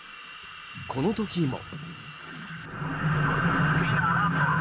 この時も。